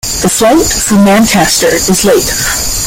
The flight from Manchester is late.